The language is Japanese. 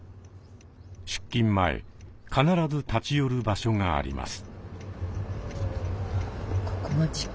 出勤前必ず立ち寄る場所があります。